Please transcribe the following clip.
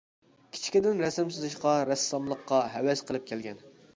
كىچىكىدىن رەسىم سىزىشقا رەسساملىققا ھەۋەس قىلىپ كەلگەن.